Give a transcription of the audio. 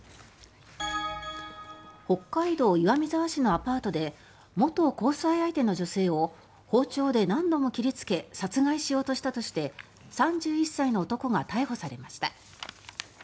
北海道岩見沢市のアパートで元交際相手の女性を包丁で何度も切りつけ殺害しようとしたとして３１歳の男が逮捕されました。